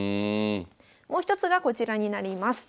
もう一つがこちらになります。